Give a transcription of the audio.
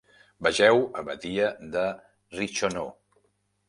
Vegeu Abadia de Reichenau.